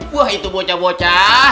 wah itu bocah bocah